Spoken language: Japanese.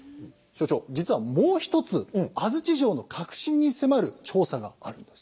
所長実はもう一つ安土城の核心に迫る調査があるんです。